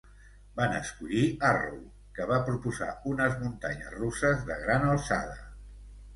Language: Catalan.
Van escollir Arrow, que va proposar unes muntanyes russes de gran alçada.